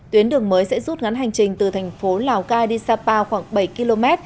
tuyến đường mới sẽ rút ngắn hành trình từ thành phố lào cai đi sapa khoảng bảy km